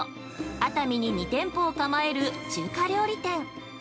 熱海に２店舗を構える中華料理店。